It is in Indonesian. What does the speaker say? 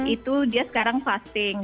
itu dia sekarang fasting